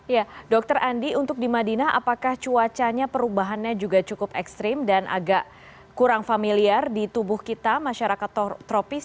ya dokter andi untuk di madinah apakah cuacanya perubahannya juga cukup ekstrim dan agak kurang familiar di tubuh kita masyarakat tropis